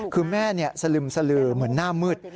คือแม่สลึมสลือเหมือนหน้ามืด